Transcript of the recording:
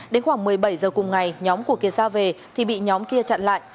đến khoảng một mươi bảy h cùng ngày nhóm của kiệt ra về thì bị nhóm kia chặn lại